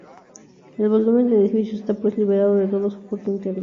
El volumen del edificio está pues liberado de todo soporte interno.